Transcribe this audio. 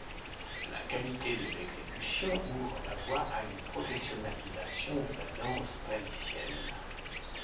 La qualité de l'exécution ouvre la voie à une professionnalisation de la danse tahitienne.